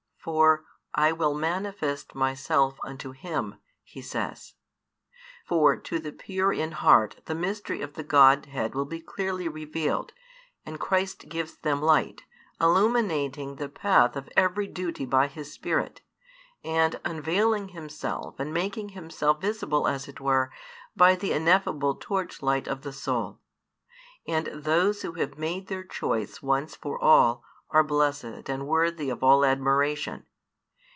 For I will manifest Myself unto him, He says. For to the pure in heart the mystery of the Godhead will be clearly revealed, and Christ gives them light, illuminating the path of every duty by His Spirit, and unveiling Himself and making Himself visible as it were by the ineffable torchlight of the soul. And those who have made their choice once for all are blessed and worthy of all admiration.